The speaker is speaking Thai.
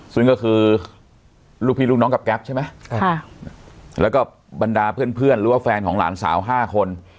ซึ่งก็คือลูกพี่ลูกน้องกับแก๊ปใช่ไหมแล้วก็บรรดาเพื่อนหรือว่าแฟนของหลานสาว๕คน